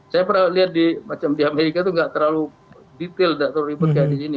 saya pernah lihat di amerika itu nggak terlalu detail nggak terlalu ribut kayak di sini